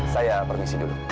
saya permisi dulu